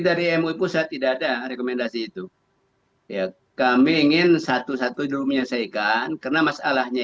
dari mui pusat tidak ada rekomendasi itu ya kami ingin satu satu dulu menyelesaikan karena masalahnya